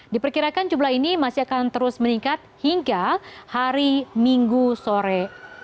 diperkirakan jumlah ini masih akan terus meningkat hingga hari minggu sore